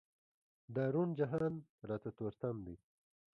دا روڼ جهان راته تور تم دی.